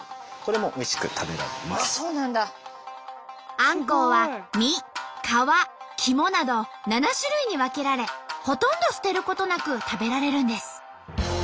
あんこうは身皮肝など７種類に分けられほとんど捨てることなく食べられるんです。